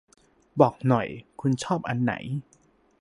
บอกหน่อย คุณชอบอันไหน